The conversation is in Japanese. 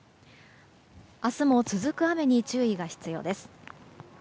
明日も続く雨に注意が必要です。